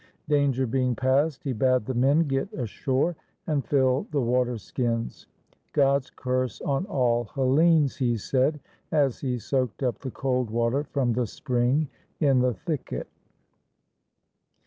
Danger being past, he bade the men get ashore and fill the water skins. " God's curse on all Hellenes!" he said, as he soaked up the cold water from the spring in the thicket.